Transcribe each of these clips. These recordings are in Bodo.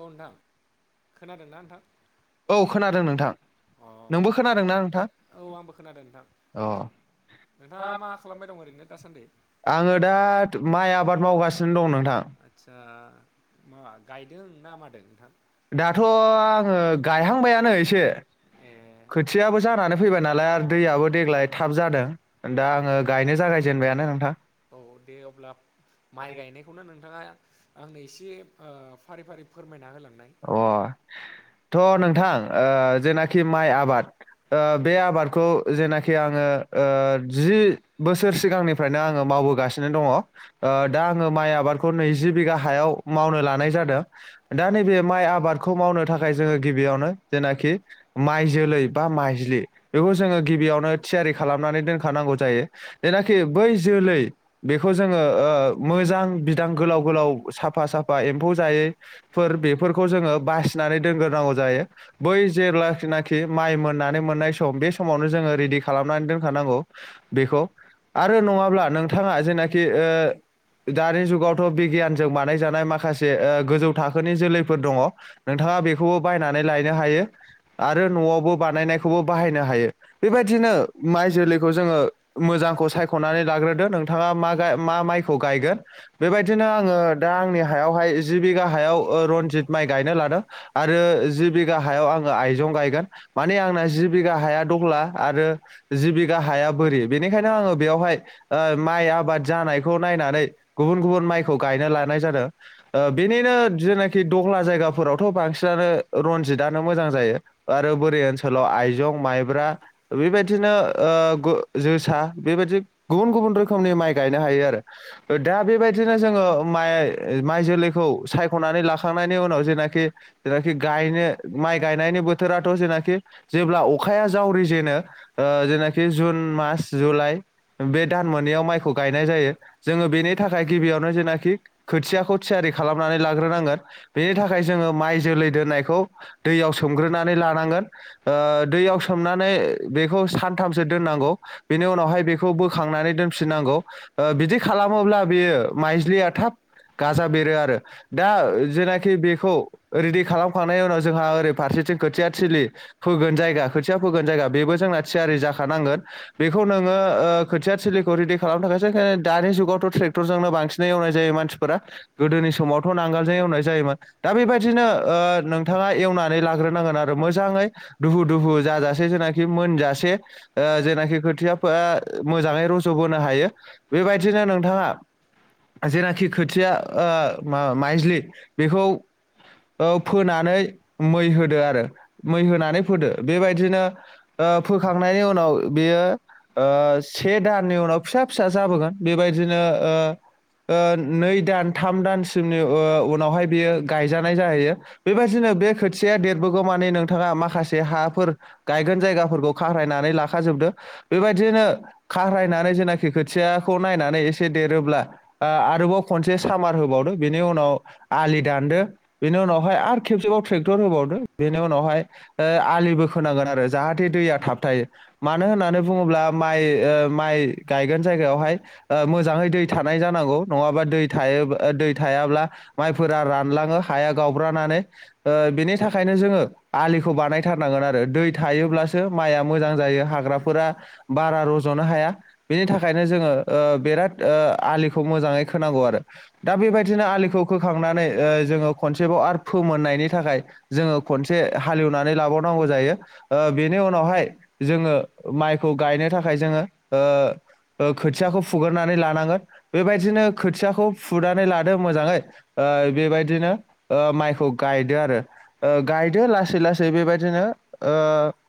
औ नोंथां खोनादोंना नोंथां औ खोनादों नोंथां अ नोंबो खोनादों ना नोंथा औ आंबो खोनादों नोंथां नोंथांङा मा खालामबाय दं ओरैनो दासान्दि आंङो दा माइ आबाद मावगासिनो दं नोंथां आदसा मा गायदों ना मादों नोंथां दाथ' आंङो गायहांबायानो एसे ए खोथियाबो जानानै फैबाय नालाय औ आरो दैयाबो देग्लाय थाब जादों दा औ आंङो गायनो जागायसै दोनबायनो नोंथां औ दे अब्ला माइ गायनायखौनो नों नोंथांङा आंनो एसे फारि फारि फोरमायना होलां अ थ' नोंथां जेनाखि माइ आबाद बे आबादखौ जेनाखि आंङो जि बोसोर सिगांनिफ्रायनो आंङो मावबोगासिनो दंङो दा आङो माइ आबादखौ नैजि बिघा हाया मावनो लानाय जादों दा नैबे माइ आबादखौ मावनो थाखाय जोंङो गिबियावनो जेनाखि माइ जोलै बा माइलि बे खौ जोंङो गिबियावॅनो थियारि खालामनानै दोनखानांगौ जायो। जेनाखि बै जोलै बेखौ जोंङो मोजां बिदां गोलाव गोलाव साफा साफा आफा एम्फौ जायैफोर बे जों बासिनानै दोनांगौ जायो बै जेख माइ मोननानै मोननाय सम बे समावनो जोंङो रेडि खालामनानै दोनखानांगौ बेखौ आरो नंङाब्ला नोंथांङा जेनाखि दानि जुगावथ' बिगियानजों बानायजानाय माखासे गोजौ थाखोनि जोलै फोर दंङो नोंथांङा बेखौबो बायनानै लायनो हायो आरो न'आवबो बानायनायखौबो बाहायनो हायो। हायो बेबायदिनो माइ जोलैखौ जोंङो मोजांखौ सायख'नानै लाग्रोदो नोंथांङा मा मा माइखौ गायगोन बेबायदिनो आंङो दा आंनि हायावहाय जि बिघा हायाव रनजित माइ गायनो लादों आरो आंङो जि बिगा हायाव आइजं गायगोन अब्ला जि बिगाया हाया बोरि बेनिखायनो आंङो बेयावहाय माइ आबाद जानायखौ नायनानै गुबुन गुबुन माइखौ गायनो लानाय जादों बेनिनो जेनाखि दख्ला जायगाफोरावथ' बांसिनानो रनजितआानो मोजां जायो आरो बोरै ओनसोलाव आइजं मा मायब्रा बेबायदिनो ओ जोसा गुबुन गुबुन रोखोम माइ दा बेबायदिनो जोंङो माइ जोलैखौ सायख'नानै खांनायनि उनाव जेनाखि जेखि गायनो माइ गायनायनि बोथोराथ' जेनाखि जेब्ला अखा अखाया जावरि जेनो जेनाखि जुन मार्च जुलाइ बे दान मोनैयाव माइखौ गायनाय जायो जोंङो बेनि थाखाय गिबियावनो जेनाखि खोथियाखौ थियारि खालामनानै लाग्रोनांगोन बेनि थाखाय जोंङो माइ जोलै दोननायखौ दैयाव सोमग्रोनानै लानांगोन दै याव सोमनानै बेखौ सानथामसो दोननांगौ बेनि उनावहाय बेखौ बोखांनानै दोनफिननांगौ बिदि खालामोब्ला बियो माइज्लिया थाब गाजा बेरो आरो दा जेनाखि बेखौ रेडि खालामखांनायनि उनाव जोंहा ओरै फारसेथिं खोथिया थिलि फोगोन जायगा खोथिया फोगोन जायगा बेबो जों ना थियारि जाखानांगोन बेखौ नोंङो खोथिया सिलिखौ रेडि खालामनो थाखायसो खायनो दानि जुगावथ' ट्रेक्टरजोंनो बांसिनै एवनाय जायो मानसिफोरा गोदोनि समावथ' नांगोलजों एवनाय दा बेबायदिनो नोंथांङावनानै लाग्रोनांगोन आरो मोजै दुु- दु जाजासे जेनाखि मोनजासे जेनाखि खोथियाफोरा मोजांङै रुज'बोनो हायो बेबायदिनो नोंथांङा जेनाखि खोथिया माइजलि बेखौ फोनानै मै होदो आरो मै होनानै फोदो बेबायदिनो ओ फोखांनायनि उनाव बियो ओ से दाननि उनाव फिसा फिसा जाबोगोन बेबायदिनो ओ नै दान थाम दानसिमनि ओ उनावहाय बेयो गायजानाय जाहैयो बेबायदिनो बे खोथिया देरबोगौ माने नोंथाङा माखासे हाफोर गायगोन जायगाफोरखौ खारायनानै लाखाजोबदो बेबायदिनो खारायनानै जेनाखि खोथियाखौ नायनानै एसे देरोब्ला आरोबाव खनसे सामार होबावदो बेनि उनाव आलि दानदो बेनि उनावहाय आर खेबसेबाव ट्रेक्टर होबावदो बेनि उनावहाय ओ आलिबो खोनांगोन आरो जाहाथे दैया थाबथायो मानो होननानै बुङोब्ला माय ओ माय गायगोन जायगायावहाय ओ मोजाङै दै थागोन जानांगौ नङाबा दै थाय ओ दै थायाब्ला माइफोरा रानलाङो हाया गावब्रानानै ओ बिनि थाखायनो जोङो आलिखौ बानायथारनांगोव आरो दै थायोब्लासो माइआ मोजां जायो हाग्राफोरा बारा रज'नो हाया बिनि थाखायनो जोङो ओ बिराद ओ आलिखौ मोजाङै खोनांगौ आरो दा बेबायदिनो आलिखौ नानै ओ खनसेबाव आरो फोमोननाय थाखाय जोङो खनसे हालवनानै लाबावनांगौ जा जायो ओ बेनि उनावहाय जोङो माइखौ गायनो थाखाय जोंङो ओ खोथियाखौ फुग्रोनानै लानांगोन बेबायदिनो खोथियाखौ फुनानै लादो मोजाङै ओ बेबायदिनो माइखौ गायदो आरो ओ गायदो लासै लासै बेबायदिनो ओ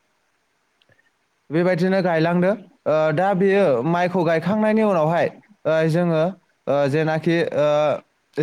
[unintelligible] बेबायदिनो गायलांदों ओ दा बेयो माइखौ गायखांनायनि उनावहाय जोङो ओ जेनाखि ओ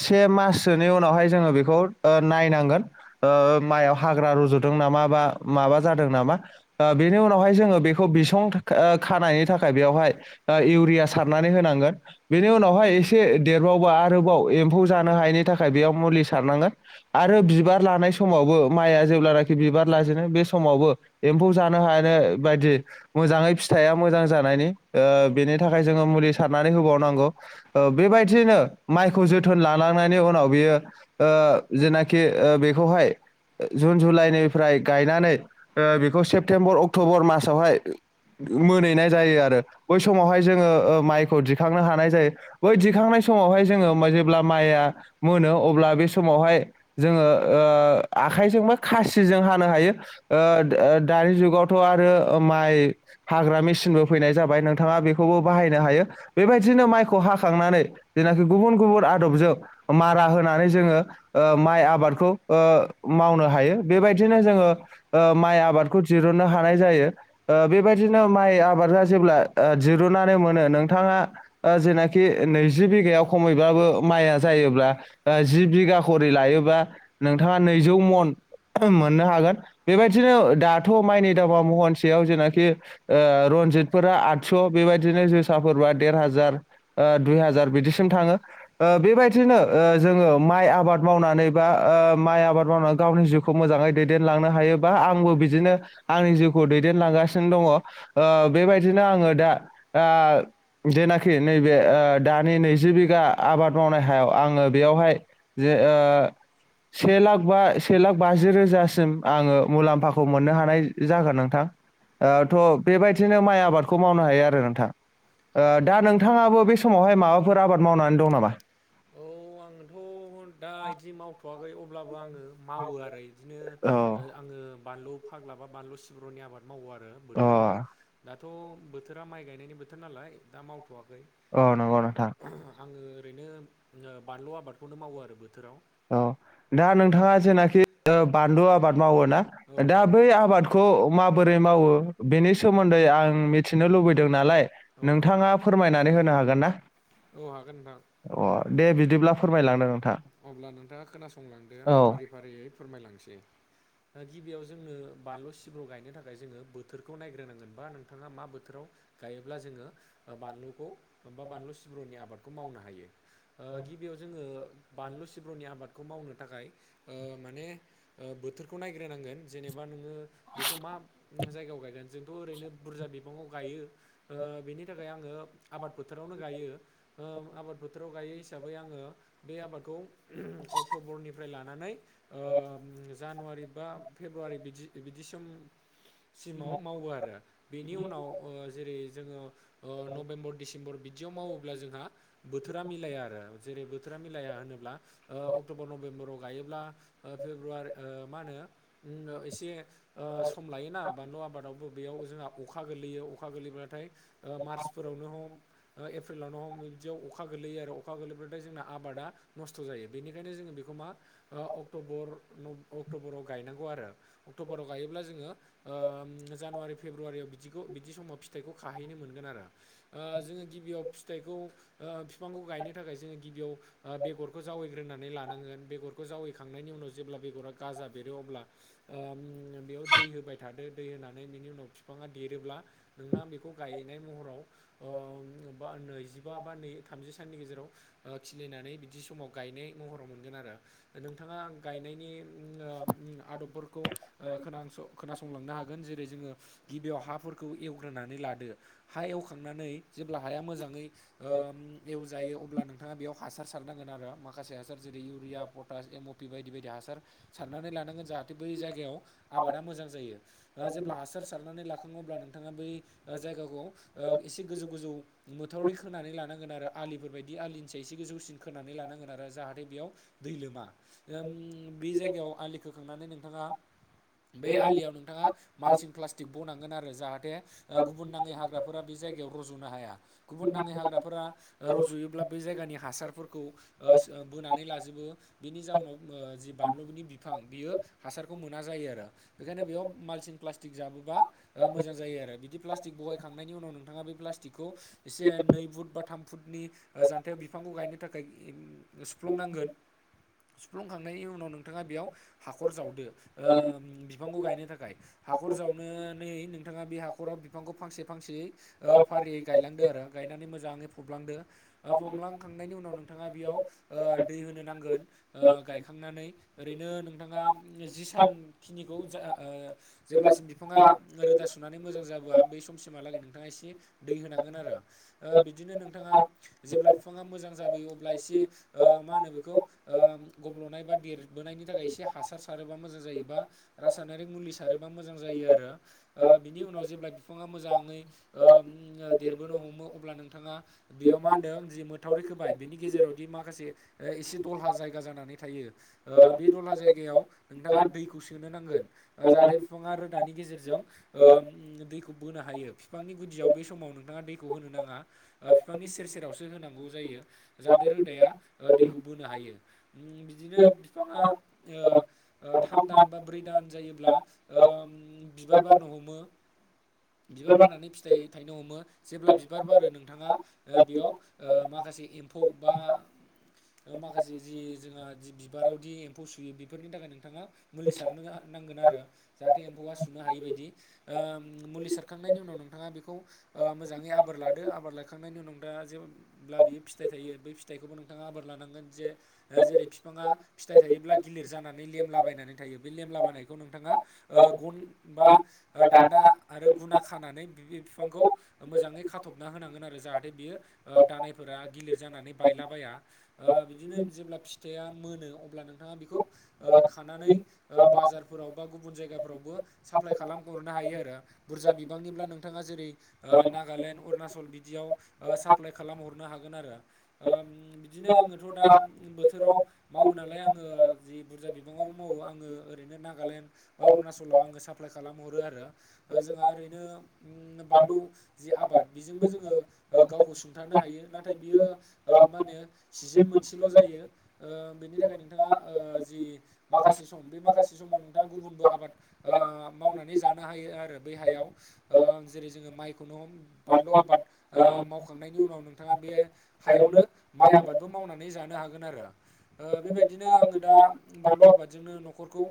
से माससोनि उनावहाय जोङो बेखौ नायनांगोन ओ माइयाव हाग्रा रजदों नामा माबा जादों नामा बेनि उनावहाय जों बेखौ बिसं खानायनि थाखाय बेवहाय ओ इउरिया सारनानै होनांगोन बेनि उनाव हाय एसे देरबावबा आरोबाव एम्फौ जानो हायिनि थाखाययाव म सारनांगोन आरो बिबार लानाय समावबो माया जेब्लानाखि बिबार [unintelligible] बे समावबो एमफौ जानो हानो बायदि मोजाङै फिथाइया मोजां जानायनि ओ बेनि थाखाय जोङो मुलि सारनानै होबावनांगौ ओ बेबायदियैनो माइखौ जोथ थालांनायनि उनाव बियो ओ जेनाखि ओ बेखौहाय जुन जुलाइनिफ्राय गायनानै ओ बेखौ सेप्तेम्बर अक्ट'बर मासावहाय मोनहैनाय जायो आरो बै समावहाय जोङो ओ माइखौ दिखांनो हानाय जायो बै दिखांनाय सम समावाय जोङो माइया मोनो अब्ला बे समावहाय जोङो ओ आखाइजोंबो खासिजोंबो हानो हायो ओद ओ दानि जुग आवथ' आरो माइ हाग्रा मेसिनबो फैनाय जाबाय नोंथाङा बेखौबो बाहायनो हायो बे बांंदिनो माइखौ हाखांनानै [unintelligible] गुबन गुबन [unintelligible] मारा होनानै जोङो ओ माइ आबादखौ ओ मावनो हायो बेबायदि नो जोङो ओ माइ आबादखौ दिरुनो हा नाय जायो ओ बेबायदिनो माइ आबादा जेब्ला ओ दिरुनानै मोनो नोंथाङा ओ जेनाखि नैजि बिघायाव खमैब्लाबो माइया जायोब्ला ओ जि बिघा खरै लायोबा नोंथाङा नैजौ मन मोननो हागोन बेबायदिनो दाथ' माइनि दाबाव महनसेयाव जेनाखि ओ रनजितफोरा आठस' बेबायदिनो जोसाफोरबा देर हाजार ओ दुइ हाजार बिदिसिम थाङो ओ बेबायदिनो ओ जोङो माइ आबाद मावनानै बा ओ माइ आबाद मावनानै गावनि जिउखौ मोजा दैदेनलांनो हायोबा आंबो बिदिनो आंनि जिउखौ दैदेनलांगासिनो दङ ओ बेबायदिनो आङो दा आ नाखि नैबे ओ दानि नैजि बिघा आबाद मावनाय हायाव आङो बेयावहाय जे ओ से लाख बा से लाख बाजि रोजासिम आङो मुलाम्फाखौ मोननो हानाय बि जागोन नोंथां ओ थ' बेबायदिनो माइ आबादखौ मावनो हायो आरो नोंथां ओ औ दा नोंथाङाबो बे समावहाय माबाफोर आबाद मावना औ आंथ' दा इदि मावथ'वाखै अब ब्लाबो आङो मावो आरो इदिनो औ आङो बानलु फाग्ला बा बानलु सिब्रनि आबाद मावो आरो अ बोथोराव दाथ' बोथोरा माइ गायनायनि बोथोर नालाय दा माव थ'वाखै अ नंगौ नोंथां। आङो ओरैनो बानलु आबादखौनो मावो आरो बो औ दा नोंथाङा जेनाखि बानलु आबाद मावो ना औ दा बै आबाद खौ माबोरै मावो बेनि सोमोन्दै आं मिथिनो लुबैदों नालाय औ नोंथाङा फोरमायनानै होनो हागोन ना औ हागोन नोंथां अ दे बिदिब्ला फोरमायलांदो नोंथां अब्ला नोंथाङा खोनासंलांदो आं औ फारि फारियै फोरमायलांसै दा गिबियाव जोंनो बानलु सिब्रु गायनो थाखाय जोङो बोथोरखौ नायग्रोनांगोन बा नोंथाङा मा बोथोराव गायोब्ला जोङो बा बानलुखौ बा बानलु सिब्रुनि आबादखौ मावनो हायो ओ गिबियाव जोङो बानलु सिब्रुनि आबादखौ मावनो थाखाय ओ माने ओ बोथोरखौ नायग्रोनांगोन जेनेबा नोङो बेखौ मा जायगायाव गायगोन जोंथ' ओरैनो बुरजा बिबाङाव गायो ओ बेनि नि थाखाय आङो आबाद फोथोरावनो गायो ओ आबाद फोथोराव गायो हिसाबै आङो बे आबाद खौ अक्ट'बरनिफ्राय लानानै ओ जानुवारि बा फेब्रुवारि बिदि बिदि सिम सिमाव मावो आरो बेनि उनाव ओ जेरै जोङो ओ नभेम्बर डिसेम्बर बिदियाव मावोब्ला जोंहा बोथोरा मिलाया आरो जेरै बो थोरा मिलाया ओनो ब्ला ओ अक्ट'बर नबेम्बराव गायोब्ला ओ फेब्रुवारि ओ मा होनो ओ एसे ओ सम लायोना बानलु आबादावबो बेयाव जोंहा अखा गोलैयो अखा गोलैब्लाथाय ओ मार्चफोरावनो हम ओ एप्रिलावनो हम बिदियाव अखा गोलैयो आरो अखा गोलैब्लाथाय जोंना आबादा नस्थ' जायो बेनिखायनो जोङो बेखौ मा ओ अक्टबर न अक्ट'बराव गायनांगौ आरो अक्ट'बराव गायोब्ला जोङो ओम जानुवारि फेब्रुवारियाव बिदिखौ बिदि समाव फिथाइखौ खाहैनो मोनगोन आरो आरो ओ जोङो गिबियाव फिथाइखौ बिफांखौ गायनो थाखाय जोङो गिबियाव आ बेगरखौ जावैग्रोनानै लानांगोन बेगरखौ जावैखांनायनि उनाव जेब्ला बेगरा गाजा बेरो अब्ला ओम बेयाव दै होबाय थादो दै होनानै बिनि उनाव बिफाङा देरोब्ला नोंथाङा बेखौ गाय नाय महाव ओ बा नैजिबा बा थामजि साननि गेजेराव खिलिनानै बिदि समाव गायनाय महराव मोनगोन आरो नोंथाङा गायनायनि उम आदबफोरखौ ओ खोनांस खोनासंलांनो हागोन जेरै जोङो गिबियाव हाफोरखौ एवग्रोनानै लादो हा एवखांनानै जेब्ला हाया मोजाङै ओम एवजायो अब्ला नोंथाङा बेयाव हासार सारनांगोन आरो माखासे हासार जेरै इउरिया पटास एम पि बायदि बायदि हासार सारनानै लानांगोन जाहाथे थे बै जायगायाव आबादा मोजां जायो जेब्ला हासार सारनानै लाखां दङब्ला नोंथाङा बै जायगाखौ एसे गोजौ गोजौ मोथावरि खोनानै लानांगोन आरो आ आलिफोरबायदि आलिनिसाय एसे गोजौसिन खोनानै लांगोन आरो जाहाथे बेयाव दै लोमा ओम बे जायगायाव आलि खोखांनानै नों थाङा बेै आलियाव नोंथाङा मालसिं प्लास्टिक बनांगोन आरो जाहाथे गुबुन नाङै हाग्राफोरा बे जाय गायाव रजनो हाया गुबुन नाङै हाग्राफोरा रज'योब्ला बै जायगानि हारफोर खौ ओस‌ ओ बोनानै लाजोबो बिनि जाउनाव मो जिब बानलुनि बिफां बियो हासारखौ मोना जायो आरो बेखायनो बेयाव मालसिन प्लास्टिक जाबोब्ला ओ मोजां जायो आरो बिदि प्लास्टिक बहायखांनायनि उनाव नोंथाङा बै प्लास्टिक। खौ एसे नै फुट बा थाम फुटनि ओ जान्थायाव बिफांखौ गायनो। थाखाय एम सुफ्लंनांगोन सुफ्लुंखांनायनि उनाव नोंथाङा बेयाव हाखर जावदो बिफांखौ गायनो थाखाय हाखर जावनानै नोंथाङा बे हाखराव बिफांखौ फांसे फांसेयै। फारियै गायलांदो आरो गायनानै मोजाङै फबलांदो फबलांखांनायनि उनाव। नोंथाङा बेयाव दै होनो नांगोन गायखांनानै ओरैनो नोंथाङा जि सानखिनि खौ जा जेब्लासिम बिफाङा रोदा सुनानै मोजां जाबोआ बै समसिमहालागै नोंथाङा एसे। दै होनांगोन आरो बिदिनो नोंथाङा जेब्ला बिफांङा मोजां। जोयो अब्ला एसे मा होनो बेखौ गब्ल'नाय बा देरबोनायनि थाखाय एसे हासार सार। मोजां जायो बा रासायनिक हासार सारोब्ला बिफांङा मोजां जायो आरो। मोजांङै देरबोनो हमो अब्ला नोंथाङा बेयाव मा होनदों मोथावरि। खोबाय बिनि गेजेरावदि माखासे एसे दलहा जायगा जानानै थायो बे दलहा जायगायाव। नोंथाङा दैखौ सोनो नांगोन जाहाथे बिफाङा रोदानि गेजेरजों दै। होनो हायो बिफांनि गुदियाव बे समाव नोंथाङा दैखौ होनो नाङा बिफांनि सेर सेरावसो होनांगौ जायो। जादेर रोदाया दैखौ बोनो हायो बिदिनो बिफाङा थाम दान बा ब्रै दान जायोब्ला बिबार बारनो हमो। बिबार बारनानै फिथाइ थायनो हमो जेब्ला बिबार बारो नोंथाङा बेयाव माखासे एम्फौ बा। माखासे जि जोंहा बिबारावदि एम्फौ सुयो बेफोरनि थाखाय नोंथाङा मुलि सारनो नांगोन आरो जाहाथे एम्फौआ सुनो हायि बायदि मुलि सारखांनायनि उनाव नोंथाङा बेखौ। मोजाङै आबोर लादो आबोर लाखांनायनि उनाव दा जेब्ला बियो फ फिथाइ थायो बै फिथाइखौबो नोंथाङा आबोर लानांगोन जे जेरै बिफाङा फिथाइ थायोब्ला गिलिर जानानै लेमलाबायनानै थायो बे लेमलाबायनायखौ नोंथाङा गन बा दानदा आरो ग खानानै बिफांखौ मोजाङै खाथबना होनांगोन आरो जाहाथे बियो दानायफोरा गिलिर जानानै बायलाबाया बिदिनो जेब्ला फिथाइआ मोनो अब्ला नोंथाङा बेखौ बाजाराव गुबुन जायगाफोरावबो सापलाय खालाम हरनो हायो आरो बुरजा‌। बिबांनिब्ला नोंथाङा जेरै नागालेण्ड अरुणनाचल बिदियाव साप्लाइ खालाम हरनो हागौ। बिदिनो आङोथ' दा बोथोराव मावो नालाय आङो जि बुर बिबाङावबो मावो आङो ओरैनो नागालेण्ड बा अरुणाचलाव आङो साप्लाइ खालाम हरो आरो ज ओरैनो बानलु जि आबाद बेजोंबो जोङो गावखौ सुंथानो हायो नाथाय नाथाय बियो मा होनो सिजोन मोनसेल' जायो बेनि थाखाय नोंथाङा जि माखासे सम बै माखासे समाव नोंथाङा गुबुनबो आबाद मावनानै जानो हायो आरो बेैहाय जेरै जोङो माइखौनो बानलु आबाद मावखांनायनि उनाव नोंथांङा बे हायावनो माइ आबादबो मावनानै जानो हागोन आरो बेबायदिनो आङो दा। बानलु आबादजोंनो न'खरखौ